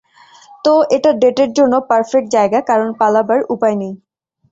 তো, এটা ডেটের জন্য পার্ফেক্ট জায়গা কারন পালাবার উপায় নেই।